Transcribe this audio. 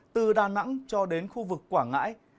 từ đà nẵng cho đến khu vực quảng ngãi